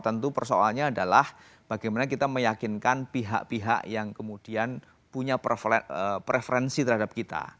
tentu persoalannya adalah bagaimana kita meyakinkan pihak pihak yang kemudian punya preferensi terhadap kita